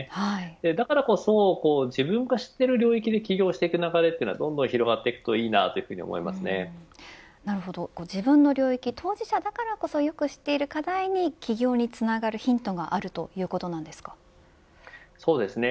だからこそ自分が知っている領域で起業していくのはどんどん進んでいくといいなと自分の領域、当事者だからこそ知っている課題に起業につながるヒントがそうですね。